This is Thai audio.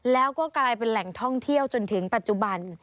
แล้วก็กลายเป็นแหล่งท่องเที่ยวจนถึงปัจจุบัน